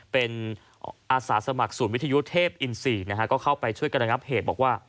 เป็นอาสาสมัครส่วนวิทยุเทพอินสีนะครับ